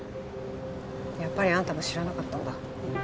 やっぱりあんたも知らなかったんだ